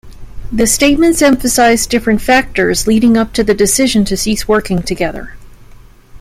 The statements emphasise different factors leading up to the decision to cease working together.